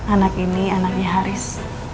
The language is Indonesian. anak ini anaknya haris